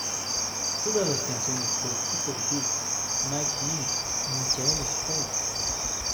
Todas las canciones por Peter Buck, Mike Mills y Michael Stipe.